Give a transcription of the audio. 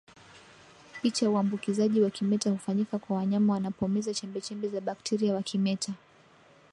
Picha Uambukizaji wa kimeta hufanyika kwa wanyama wanapomeza chembechembe za bakteria wa kimeta